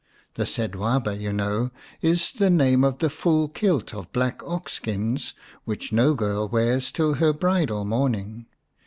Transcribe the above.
The sedwaba, you know, is the name of the full kilt of black ox skins which no girl wears till her bridal morning.